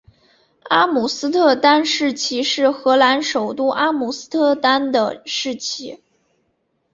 阿姆斯特丹市旗是荷兰首都阿姆斯特丹的市旗。